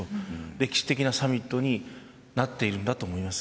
歴史的なサミットになっているんだと思います。